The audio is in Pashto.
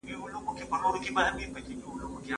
ټولنپوهنه په عملي سیاست کې مرسته کوي.